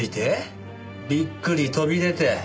びっくり飛び出て。